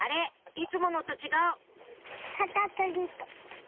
いつものと違う」